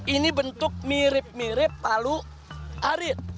ini bentuk mirip mirip palu arit